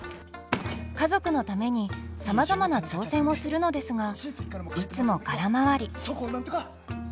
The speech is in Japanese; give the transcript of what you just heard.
家族のためにさまざまな挑戦をするのですがいつも空回り。